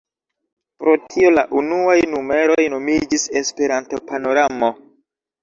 Pro tio la unuaj numeroj nomiĝis "Esperanto-Panoramo".